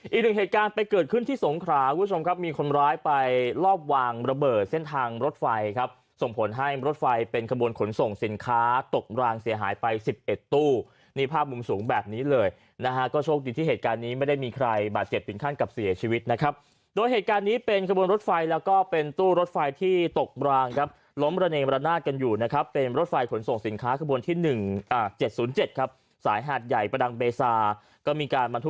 อีกหนึ่งเหตุการณ์ไปเกิดขึ้นที่สงขราวุชมครับมีคนร้ายไปรอบวางระเบิดเส้นทางรถไฟครับส่งผลให้รถไฟเป็นขบวนขนส่งสินค้าตกรางเสียหายไป๑๑ตู้นี่ภาพมุมสูงแบบนี้เลยนะฮะก็โชคดีที่เหตุการณ์นี้ไม่ได้มีใครบาดเจ็บเป็นขั้นกับเสียชีวิตนะครับโดยเหตุการณ์นี้เป็นขบวนรถไฟแล้วก็เป็นตู้รถไ